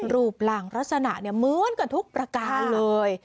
รูปหลังลักษณะเหมือนกับทุกประการเลย